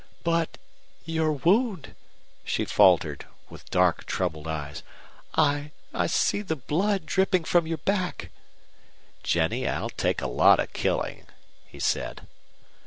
"But your wound!" she faltered, with dark, troubled eyes. "I see the blood dripping from your back!" "Jennie, I'll take a lot of killing," he said.